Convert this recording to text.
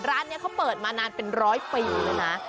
ร้านนี้เขาเปิดมานานเป็นร้อยปีแล้วนะ